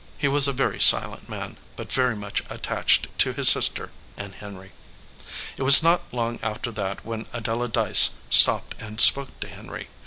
He was a very silent man, but very much attached to his sister and Henry. It was not long after that when Adela Dyce stopped and spoke to Henry.